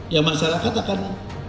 ya masyarakat akan